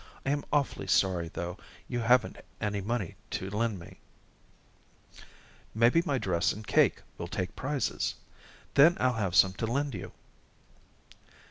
I am awfully sorry, though, you haven't any money to lend me." "Maybe my dress and cake will take prizes. Then I'll have some to lend you."